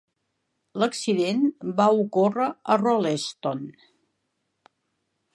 L'accident va ocórrer a Rolleston.